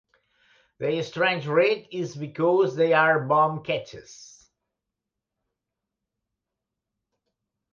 Their strange rig is because they are bomb ketches.